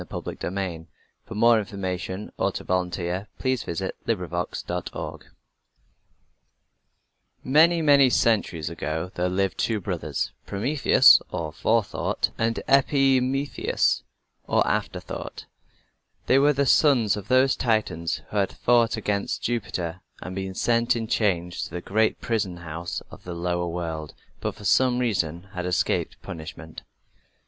_ The Youthful Cid Avenging the Death of His Father 267 PROMETHEUS, THE FRIEND OF MAN Many, many centuries ago there lived two brothers, Prometheus or Forethought, and Epimetheus or Afterthought. They were the sons of those Titans who had fought against Jupiter and been sent in chains to the great prison house of the lower world, but for some reason had escaped punishment.